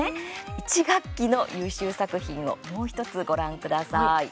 １学期の優秀作品をもう１つご覧ください。